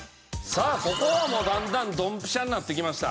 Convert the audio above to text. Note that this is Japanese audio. さあここはもうだんだんドンピシャになってきました。